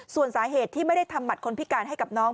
ส่วนสาเหตุที่ไม่ได้ทำบัตรคนพิการให้กับน้อง